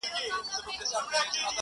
امتحان لره راغلی کوه کن د زمانې یم-